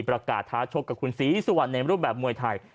ท้าชกกับคุณศรีสุวรรณในรูปแบบมวยไทย